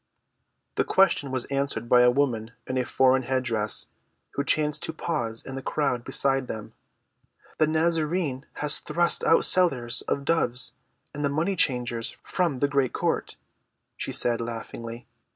The question was answered by a woman in a foreign head‐dress who chanced to pause in the crowd beside them. "The Nazarene has thrust out the sellers of doves and the money‐changers from the great court," she said laughingly.